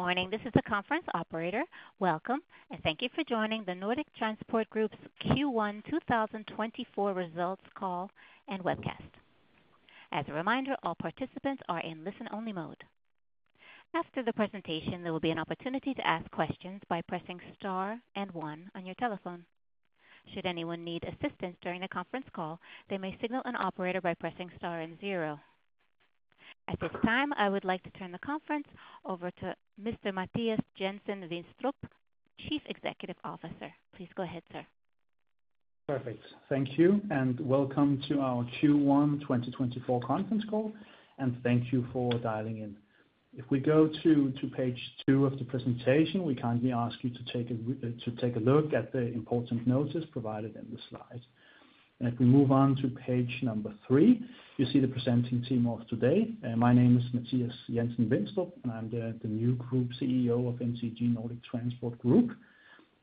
Good morning, this is the conference operator. Welcome, and thank you for joining the Nordic Transport Group's Q1 2024 results call and webcast. As a reminder, all participants are in listen-only mode. After the presentation, there will be an opportunity to ask questions by pressing star and one on your telephone. Should anyone need assistance during the conference call, they may signal an operator by pressing star and zero. At this time, I would like to turn the conference over to Mr. Mathias Jensen-Vinstrup, Chief Executive Officer. Please go ahead, sir. Perfect. Thank you, and welcome to our Q1 2024 conference call, and thank you for dialing in. If we go to page 2 of the presentation, we kindly ask you to take a look at the important notice provided in the slide. If we move on to page number 3, you see the presenting team of today. My name is Mathias Jensen-Vinstrup, and I'm the new Group CEO of NTG Nordic Transport Group.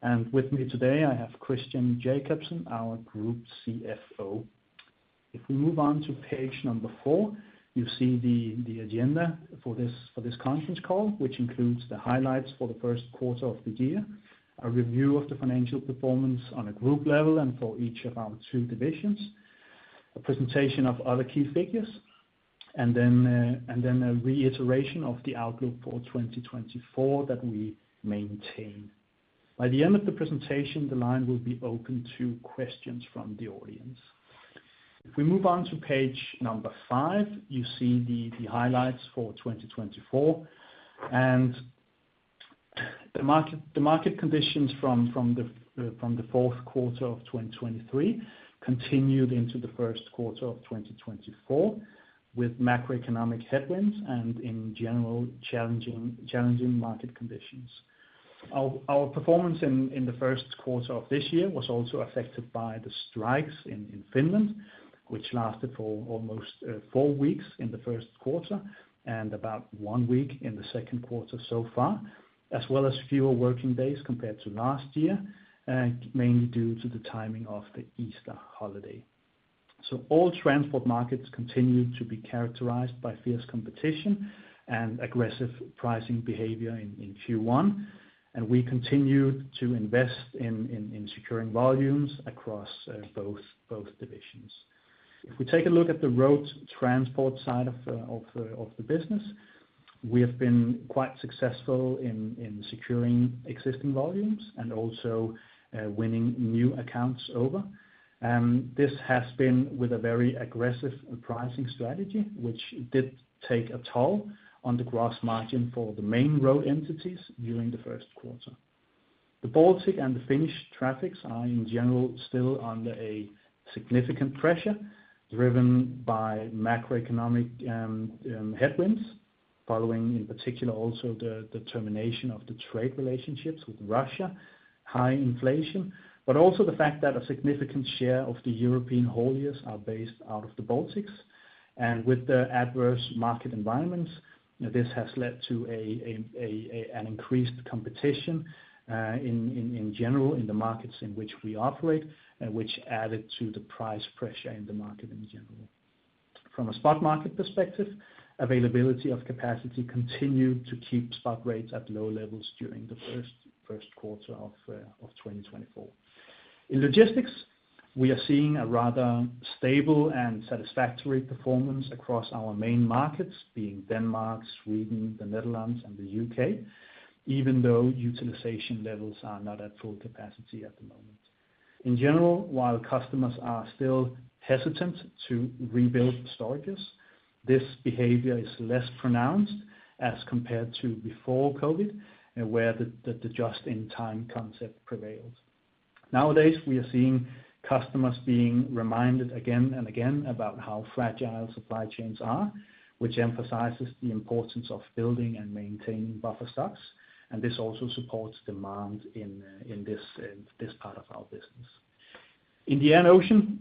And with me today, I have Christian Jakobsen, our Group CFO. If we move on to page 4, you see the agenda for this conference call, which includes the highlights for the first quarter of the year, a review of the financial performance on a group level, and for each of our two divisions, a presentation of other key figures, and then a reiteration of the outlook for 2024 that we maintain. By the end of the presentation, the line will be open to questions from the audience. If we move on to page 5, you see the highlights for 2024. The market conditions from the fourth quarter of 2023 continued into the first quarter of 2024, with macroeconomic headwinds and, in general, challenging market conditions. Our performance in the first quarter of this year was also affected by the strikes in Finland, which lasted for almost four weeks in the first quarter and about one week in the second quarter so far, as well as fewer working days compared to last year, mainly due to the timing of the Easter holiday. So all transport markets continued to be characterized by fierce competition and aggressive pricing behavior in Q1, and we continued to invest in securing volumes across both divisions. If we take a look at the road transport side of the business, we have been quite successful in securing existing volumes and also winning new accounts over. This has been with a very aggressive pricing strategy, which did take a toll on the gross margin for the main road entities during the first quarter. The Baltic and the Finnish traffics are, in general, still under a significant pressure, driven by macroeconomic headwinds, following, in particular, also the termination of the trade relationships with Russia, high inflation, but also the fact that a significant share of the European hauliers are based out of the Baltics. And with the adverse market environments, this has led to an increased competition in general in the markets in which we operate, and which added to the price pressure in the market in general. From a spot market perspective, availability of capacity continued to keep spot rates at low levels during the first quarter of 2024. In logistics, we are seeing a rather stable and satisfactory performance across our main markets, being Denmark, Sweden, the Netherlands, and the UK, even though utilization levels are not at full capacity at the moment. In general, while customers are still hesitant to rebuild storages, this behavior is less pronounced as compared to before COVID, where the just-in-time concept prevails. Nowadays, we are seeing customers being reminded again and again about how fragile supply chains are, which emphasizes the importance of building and maintaining buffer stocks, and this also supports demand in this part of our business. In the Air and Ocean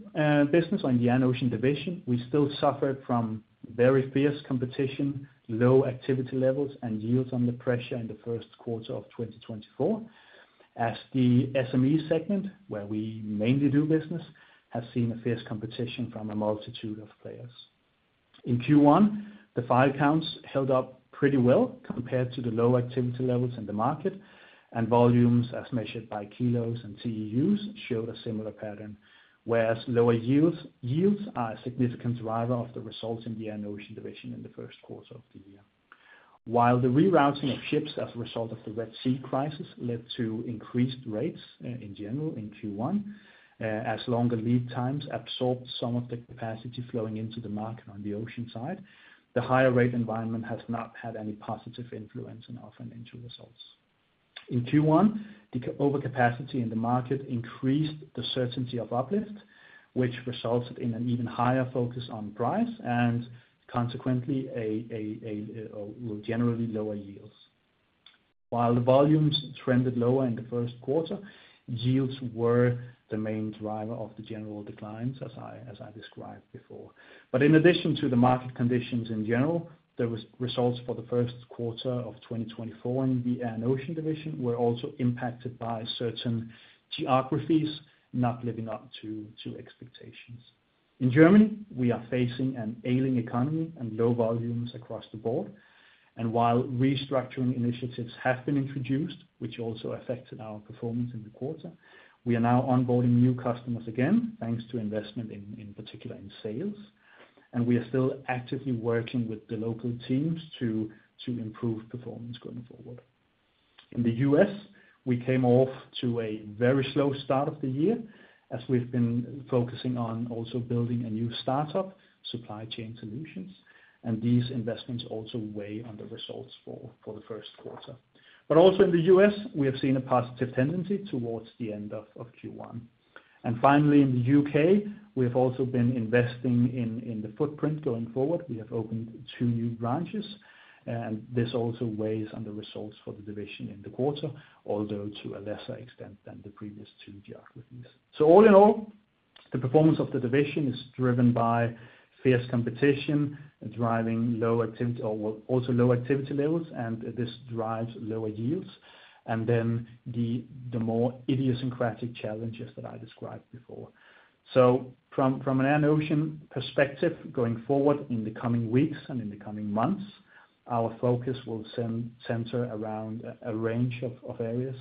business, or in the Air and Ocean division, we still suffered from very fierce competition, low activity levels, and yields under pressure in the first quarter of 2024. As the SME segment, where we mainly do business, have seen a fierce competition from a multitude of players. In Q1, the file counts held up pretty well compared to the low activity levels in the market, and volumes as measured by kilos and TEUs, showed a similar pattern, whereas lower yields, yields are a significant driver of the results in the Air and Ocean division in the first quarter of the year. While the rerouting of ships as a result of the Red Sea crisis led to increased rates in general in Q1, as longer lead times absorbed some of the capacity flowing into the market on the ocean side, the higher rate environment has not had any positive influence on our financial results. In Q1, the overcapacity in the market increased the certainty of uplift, which resulted in an even higher focus on price and consequently, well, generally lower yields. While the volumes trended lower in the first quarter, yields were the main driver of the general declines, as I described before. But in addition to the market conditions in general, the results for the first quarter of 2024 in the Air and Ocean division were also impacted by certain geographies not living up to expectations. In Germany, we are facing an ailing economy and low volumes across the board. And while restructuring initiatives have been introduced, which also affected our performance in the quarter, we are now onboarding new customers again, thanks to investment in particular in sales. We are still actively working with the local teams to improve performance going forward. In the U.S., we came off to a very slow start of the year, as we've been focusing on also building a new startup, Supply Chain Solutions, and these investments also weigh on the results for the first quarter. But also in the U.S., we have seen a positive tendency towards the end of Q1. And finally, in the U.K., we've also been investing in the footprint going forward. We have opened two new branches, and this also weighs on the results for the division in the quarter, although to a lesser extent than the previous two geographies. So all in all, the performance of the division is driven by fierce competition, driving low activity or also low activity levels, and this drives lower yields, and then the more idiosyncratic challenges that I described before. So from an Air and Ocean perspective, going forward in the coming weeks and in the coming months, our focus will center around a range of areas.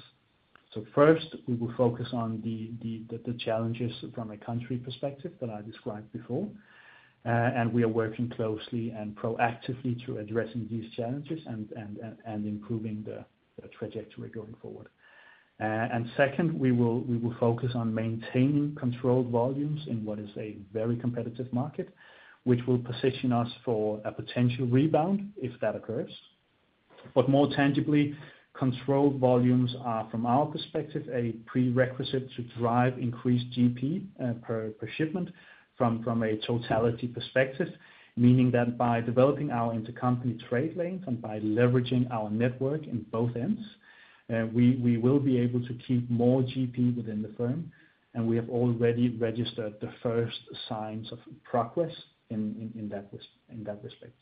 So first, we will focus on the challenges from a country perspective that I described before. And we are working closely and proactively to addressing these challenges and improving the trajectory going forward. And second, we will focus on maintaining controlled volumes in what is a very competitive market, which will position us for a potential rebound if that occurs. But more tangibly, controlled volumes are, from our perspective, a prerequisite to drive increased GP per shipment from a totality perspective, meaning that by developing our intercompany trade lanes and by leveraging our network in both ends, we will be able to keep more GP within the firm, and we have already registered the first signs of progress in that respect.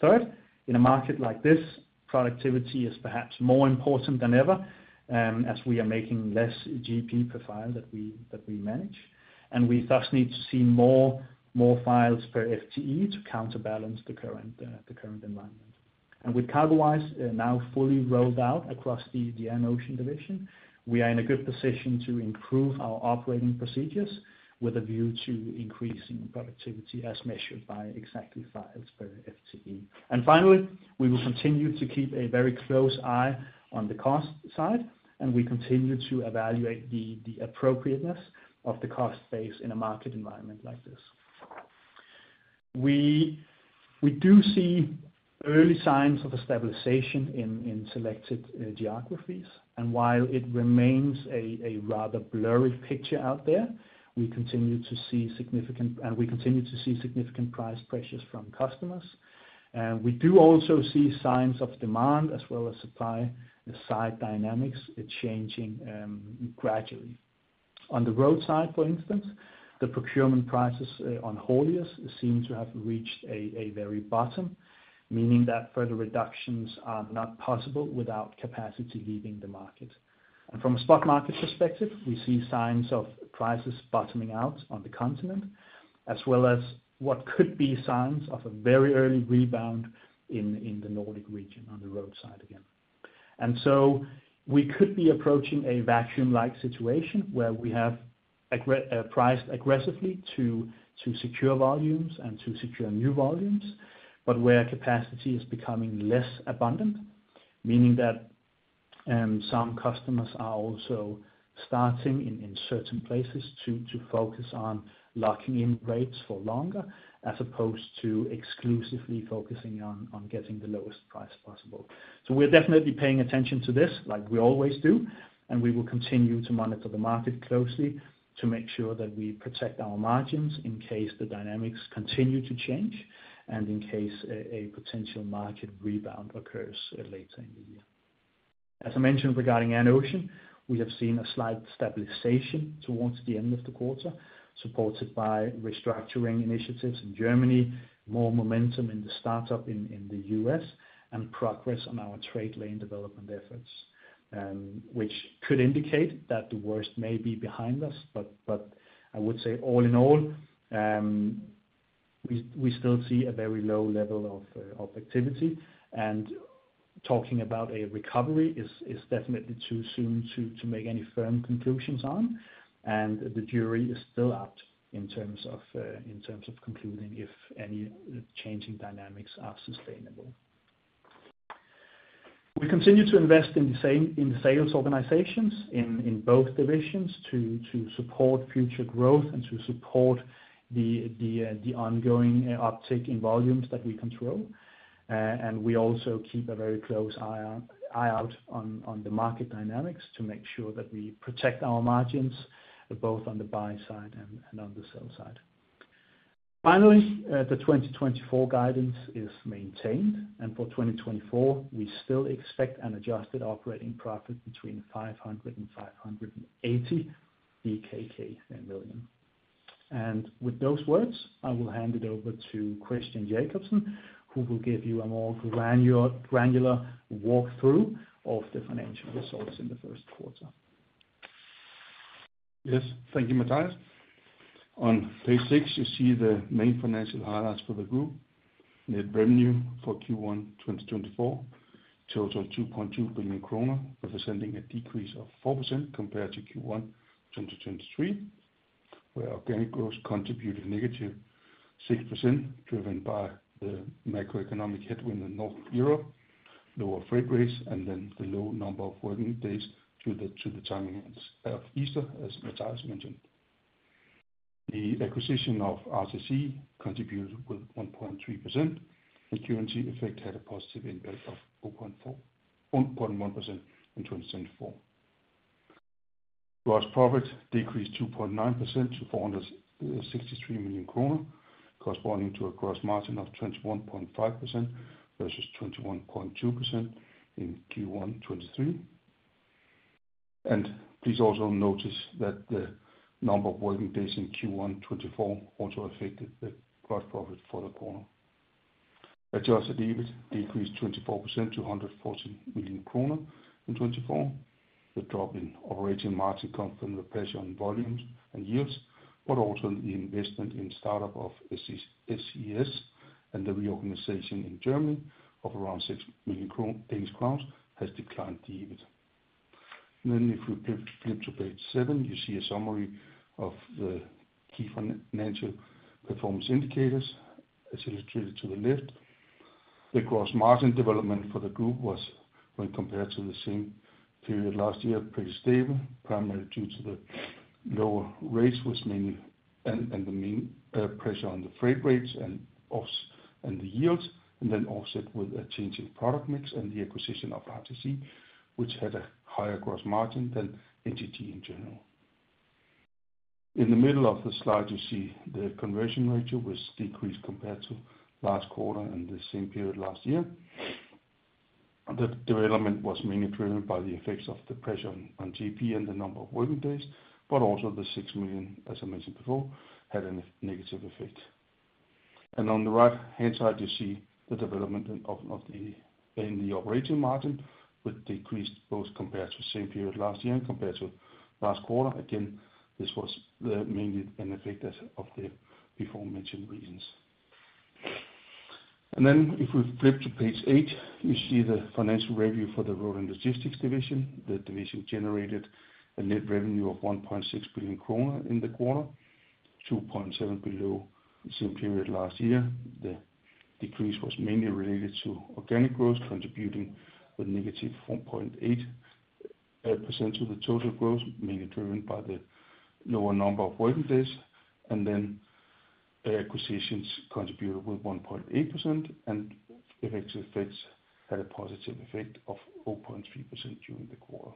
Third, in a market like this, productivity is perhaps more important than ever, as we are making less GP per file that we manage, and we thus need to see more files per FTE to counterbalance the current environment. With CargoWise now fully rolled out across the Air & Ocean division, we are in a good position to improve our operating procedures with a view to increasing productivity as measured by exactly files per FTE. And finally, we will continue to keep a very close eye on the cost side, and we continue to evaluate the appropriateness of the cost base in a market environment like this. We do see early signs of a stabilization in selected geographies, and while it remains a rather blurry picture out there, we continue to see significant price pressures from customers. We do also see signs of demand as well as supply; the side dynamics are changing gradually. On the road side, for instance, the procurement prices on hauliers seem to have reached a very bottom, meaning that further reductions are not possible without capacity leaving the market. And from a spot market perspective, we see signs of prices bottoming out on the continent, as well as what could be signs of a very early rebound in the Nordic region on the road side again. And so we could be approaching a vacuum-like situation where we have priced aggressively to secure volumes and to secure new volumes, but where capacity is becoming less abundant, meaning that some customers are also starting in certain places to focus on locking in rates for longer, as opposed to exclusively focusing on getting the lowest price possible. So we're definitely paying attention to this like we always do, and we will continue to monitor the market closely to make sure that we protect our margins in case the dynamics continue to change and in case a potential market rebound occurs later in the year. As I mentioned, regarding Air and Ocean, we have seen a slight stabilization towards the end of the quarter, supported by restructuring initiatives in Germany, more momentum in the startup in the U.S., and progress on our trade lane development efforts, which could indicate that the worst may be behind us. But I would say all in all, we still see a very low level of activity, and talking about a recovery is definitely too soon to make any firm conclusions on, and the jury is still out in terms of concluding if any changing dynamics are sustainable. We continue to invest in the sales organizations in both divisions to support future growth and to support the ongoing uptick in volumes that we control. And we also keep a very close eye out on the market dynamics to make sure that we protect our margins, both on the buy side and on the sell side. Finally, the 2024 guidance is maintained, and for 2024, we still expect an adjusted operating profit between 500 million and 580 million. And with those words, I will hand it over to Christian Jakobsen, who will give you a more granular walkthrough of the financial results in the first quarter.... Yes, thank you, Mathias. On page six, you see the main financial highlights for the group. Net revenue for Q1 2024 total 2.2 billion kroner, representing a decrease of 4% compared to Q1 2023, where organic growth contributed -6%, driven by the macroeconomic headwind in North Europe, lower freight rates, and then the low number of working days due to the, to the timing of, of Easter, as Mathias mentioned. The acquisition of RTC contributed with 1.3%, and currency effect had a positive impact of 1.1% in 2024. Gross profit decreased 2.9% to 463 million kroner, corresponding to a gross margin of 21.5% versus 21.2% in Q1 2023. Please also notice that the number of working days in Q1 2024 also affected the gross profit for the quarter. Adjusted EBIT decreased 24% to 114 million kroner in 2024. The drop in operating margin come from the pressure on volumes and yields, but also the investment in start-up of SCS and the reorganization in Germany of around 6 million Danish crowns, has declined the EBIT. Then if we flip to page 7, you see a summary of the key financial performance indicators, as illustrated to the left. The gross margin development for the group was, when compared to the same period last year, pretty stable, primarily due to the lower rates was mainly and, and the main pressure on the freight rates and also, and the yields, and then offset with a change in product mix and the acquisition of RTC, which had a higher gross margin than NTG in general. In the middle of the slide, you see the conversion ratio was decreased compared to last quarter and the same period last year. The development was mainly driven by the effects of the pressure on, on GP and the number of working days, but also the 6 million, as I mentioned before, had a negative effect. On the right-hand side, you see the development of the in the operating margin, which decreased both compared to the same period last year and compared to last quarter. Again, this was mainly an effect as of the beforementioned reasons. Then, if we flip to page eight, you see the financial review for the Road and Logistics division. The division generated a net revenue of 1.6 billion kroner in the quarter, 2.7% below the same period last year. The decrease was mainly related to organic growth, contributing with negative 1.8% to the total growth, mainly driven by the lower number of working days, and then acquisitions contributed with 1.8%, and currency effects had a positive effect of 0.3% during the quarter.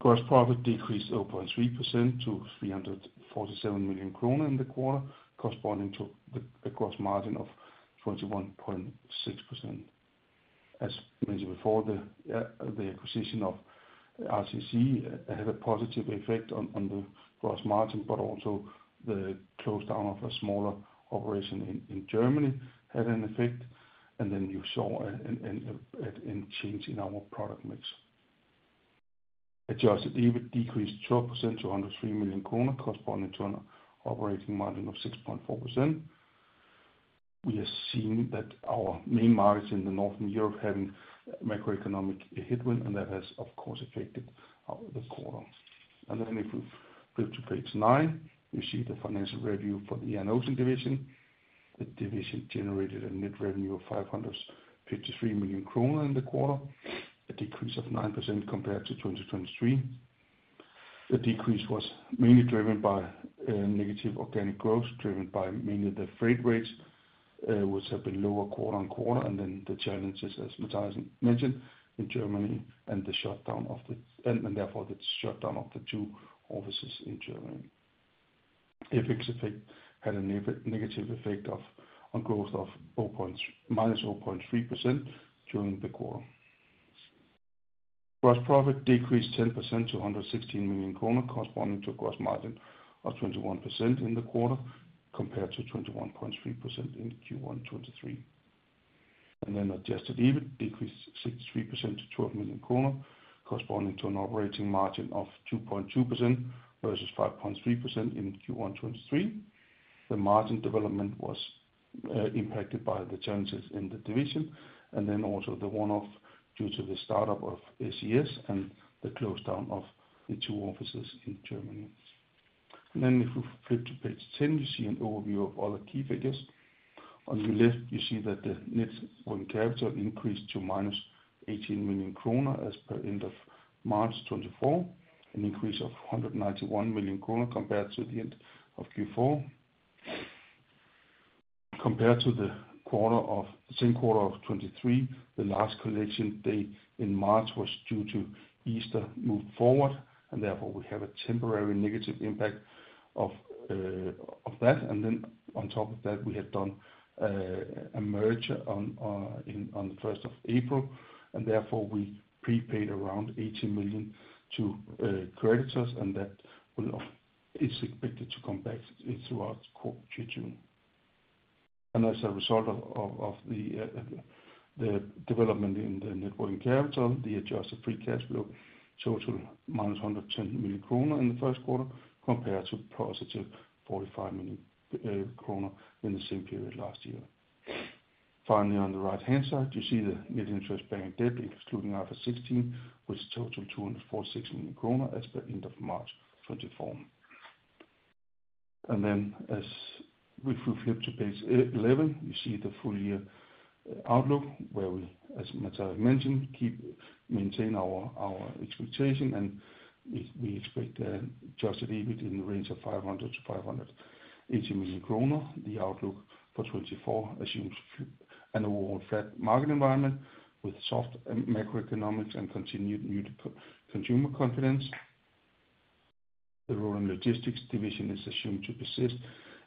Gross profit decreased 0.3% to 347 million kroner in the quarter, corresponding to the gross margin of 21.6%. As mentioned before, the acquisition of RTC had a positive effect on the gross margin, but also the close down of a smaller operation in Germany had an effect. And then you saw a change in our product mix. Adjusted EBIT decreased 12% to 103 million kroner, corresponding to an operating margin of 6.4%. We are seeing that our main markets in the Northern Europe having macroeconomic headwind, and that has, of course, affected the quarter. And then if we flip to page 9, you see the financial review for the Air and Ocean division. The division generated a net revenue of 553 million kroner in the quarter, a decrease of 9% compared to 2023. The decrease was mainly driven by negative organic growth, driven by mainly the freight rates, which have been lower quarter-on-quarter, and then the challenges, as Mathias mentioned, in Germany, and therefore the shutdown of the two offices in Germany. FX effect had a negative effect on growth of minus 0.3% during the quarter. Gross profit decreased 10% to 116 million kroner, corresponding to a gross margin of 21% in the quarter, compared to 21.3% in Q1 2023. Adjusted EBIT decreased 63% to 12 million kroner, corresponding to an operating margin of 2.2% versus 5.3% in Q1 2023. The margin development was impacted by the challenges in the division, and then also the one-off due to the start-up of SCS and the close down of the two offices in Germany. If we flip to page 10, you see an overview of all the key figures. On the left, you see that the net working capital increased to -18 million kroner, as per end of March 2024, an increase of 191 million kroner compared to the end of Q4. Compared to the same quarter of 2023, the last collection date in March was due to Easter moved forward, and therefore we have a temporary negative impact of that. And then on top of that, we had done a merger on the first of April, and therefore we prepaid around 18 million to creditors, and that, it's expected to come back throughout Q2. And as a result of the development in the net working capital, the adjusted free cash flow totaled -110 million kroner in the first quarter, compared to +45 million kroner in the same period last year. Finally, on the right-hand side, you see the net interest bank debt, excluding IFRS 16, which totals 246 million kroner as per end of March 2024. And then if we flip to page 11, you see the full year outlook, where we, as Mathias mentioned, keep maintain our expectation, and we expect adjusted EBIT in the range of 500 million-580 million kroner. The outlook for 2024 assumes an overall flat market environment with soft macroeconomics and continued muted consumer confidence. The Road and Logistics division is assumed to persist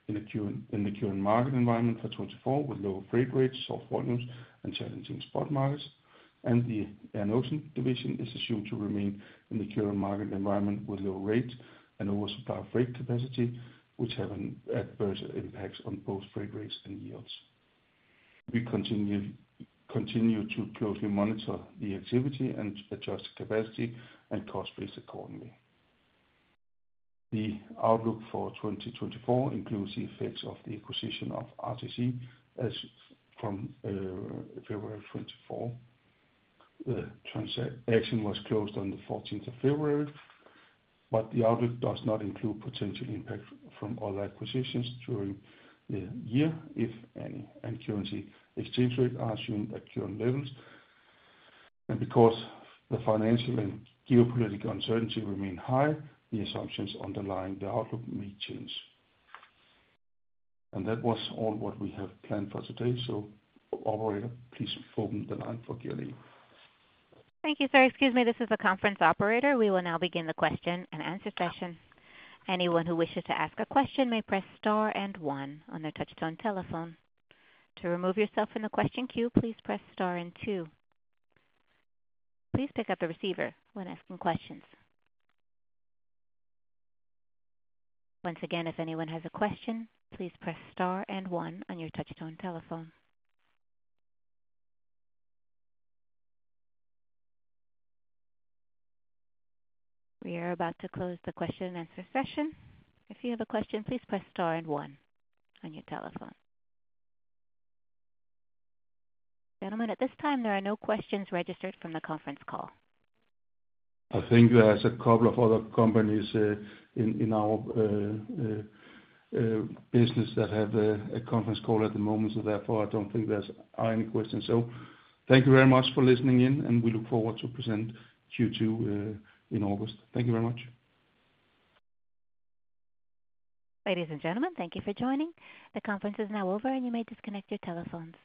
in the current market environment for 2024, with lower freight rates, soft volumes, and challenging spot markets. And the Air and Ocean division is assumed to remain in the current market environment, with low rates and oversupply of freight capacity, which have an adverse impacts on both freight rates and yields. We continue to closely monitor the activity and adjust capacity and cost base accordingly. The outlook for 2024 includes the effects of the acquisition of RTC as from February 2024. The transaction was closed on the 14th of February, but the outlook does not include potential impact from all acquisitions during the year, if any, and currency exchange rate are assumed at current levels. Because the financial and geopolitical uncertainty remain high, the assumptions underlying the outlook may change. That was all what we have planned for today. Operator, please open the line for Q&A. Thank you, sir. Excuse me, this is the conference operator. We will now begin the question and answer session. Anyone who wishes to ask a question may press star and one on their touchtone telephone. To remove yourself from the question queue, please press star and two. Please pick up the receiver when asking questions. Once again, if anyone has a question, please press star and one on your touchtone telephone. We are about to close the question and answer session. If you have a question, please press star and one on your telephone. Gentlemen, at this time, there are no questions registered from the conference call. I think there's a couple of other companies in our business that have a conference call at the moment, so therefore, I don't think there are any questions. So thank you very much for listening in, and we look forward to present Q2 in August. Thank you very much. Ladies and gentlemen, thank you for joining. The conference is now over, and you may disconnect your telephones.